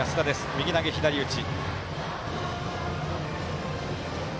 右投げ左打ち。